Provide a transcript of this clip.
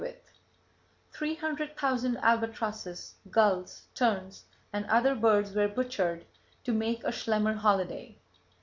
Dill, 1911 Three hundred thousand albatrosses, gulls, terns and other birds were butchered to make a Schlemmer holiday!